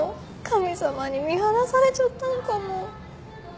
神様に見放されちゃったのかも。